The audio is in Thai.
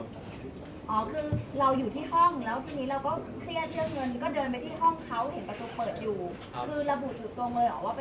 ก็จะเสียชีวิตโดย